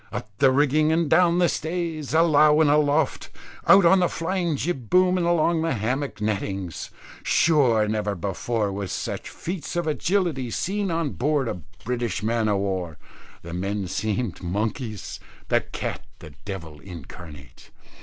Up the rigging and down the stays, alow and aloft, out on the flying jib boom and along the hammock nettings. Sure never before were such feats of agility seen on board a British Man o' War; the men seemed monkeys, the cat the devil incarnate.